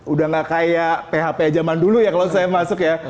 udah gak kayak php zaman dulu ya kalau saya masuk ya